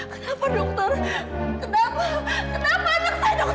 kenapa dokter kenapa kenapa anak saya dokter kenapa jawab